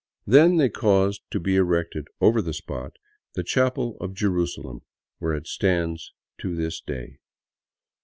Then they caused to be erected over the spot the chapel of Jerusalem, where it stands to this day.